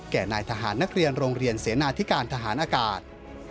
นายทหารนักเรียนโรงเรียนเสนาธิการทหารอากาศ